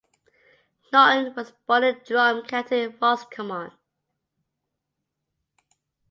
Naughten was born in Drum, County Roscommon.